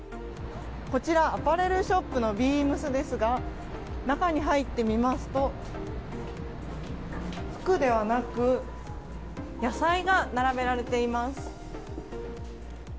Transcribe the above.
こちらアパレルショップのＢＥＡＭＳですが中に入ってみますと、服ではなく野菜が並べられています。